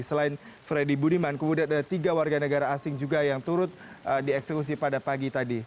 selain freddy budiman kemudian ada tiga warga negara asing juga yang turut dieksekusi pada pagi tadi